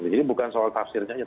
jadi bukan soal tafsirnya saja